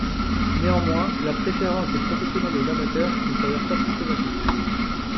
Néanmoins, la préférence des professionnels aux amateurs ne s'avère pas systématique.